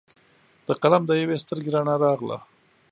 د قلم د یوي سترګې رڼا راغله